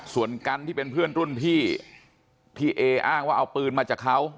ส่วนกันที่เป็นเพื่อนรุ่นพี่ที่เออ้างว่าเอาปืนมาจากเขา